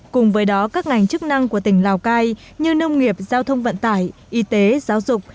cùng với đó các ngành chức năng của tỉnh lào cai như nông nghiệp giao thông vận tải y tế giáo dục